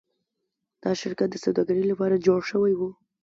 دا شرکت د سوداګرۍ لپاره جوړ شوی و.